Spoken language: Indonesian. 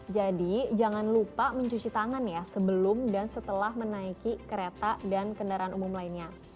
jadi jangan lupa mencuci tangan ya sebelum dan setelah menaiki kereta dan kendaraan umum lainnya